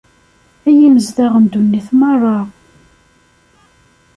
Ay imezdaɣ n ddunit merra!